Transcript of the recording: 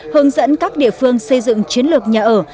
hướng dẫn các địa phương xây dựng chiến lược nhà ở